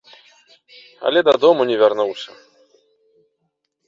Але дадому не вярнуўся.